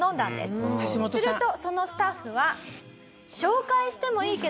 するとそのスタッフは。